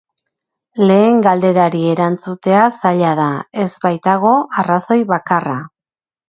Lehen galderari erantzutea zaila da, ez baitago arrazoi bakarra.